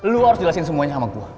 lo harus jelasin semuanya sama gue